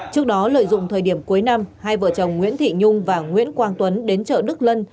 trước đó lợi dụng thời điểm cuối năm hai vợ chồng nguyễn thị nhung và nguyễn quang tuấn đến chợ đức lân